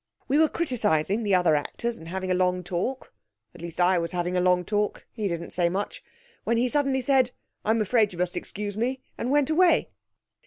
We were criticising the other actors and having a long talk at least I was having a long talk, he didn't say much when he suddenly said, "I'm afraid you must excuse me," and went away.